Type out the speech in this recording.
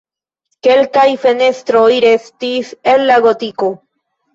Kelkaj fenestroj restis el la gotiko.